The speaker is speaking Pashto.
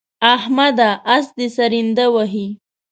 احمده! اس دې سرنده وهي.